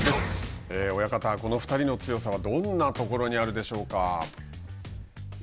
親方、この２人の強さはどんなところにあるでしょうか。